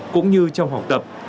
cũng như trong học tập